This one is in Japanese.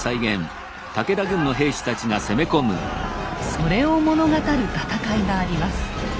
それを物語る戦いがあります。